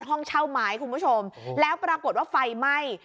ห้องเช่าไม้คุณผู้ชมแล้วปรากฏว่าไฟไหม้